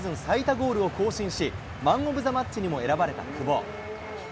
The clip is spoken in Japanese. ゴールを更新し、マンオブザマッチにも選ばれた久保。